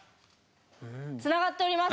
つながっております